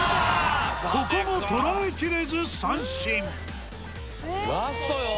ここも捉えきれず三振ええー？